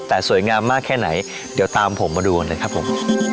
แต่สวยงามมากแค่ไหนเดี๋ยวตามผมมาดูกันเลยครับผม